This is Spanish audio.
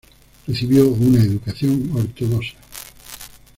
Recibió una educación ortodoxa.